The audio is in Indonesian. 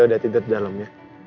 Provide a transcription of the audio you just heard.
ya udah tidur dalam ya